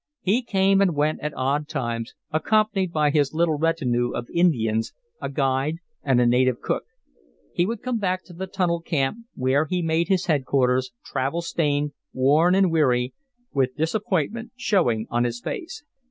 He came and went at odd times, accompanied by his little retinue of Indians, a guide and a native cook. He would come back to the tunnel camp, where he made his headquarters, travel stained, worn and weary, with disappointment showing on his face.